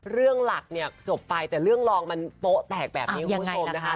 เรื่องหลักเนี่ยจบไปแต่เรื่องรองมันโป๊ะแตกแบบนี้คุณผู้ชมนะคะ